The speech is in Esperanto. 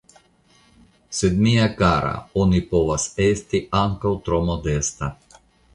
Sed mia kara, oni povas esti ankaŭ tro modesta.